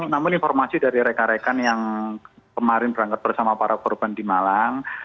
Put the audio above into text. namun informasi dari rekan rekan yang kemarin berangkat bersama para korban di malang